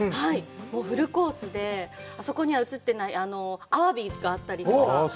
もうフルコースで、あそこには映ってない、アワビがあったりとか。